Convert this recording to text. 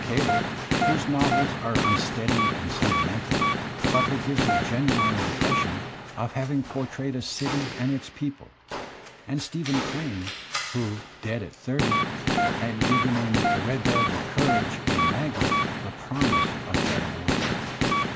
Cable, whose novels are imsteady and senti mental, but who gives a genuine impression of having por trayed a city and its people; and StephenjCrane, who, dead at thirty, had given in "The Red Badge of Courage" and "Maggie" the promise of better work.